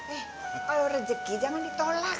eh kalau rezeki jangan ditolak